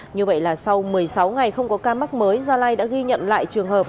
như vậy là sau một mươi sáu ngày không có ca mắc mới gia lai đã ghi nhận lại trường hợp